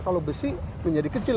kalau besi menjadi kecil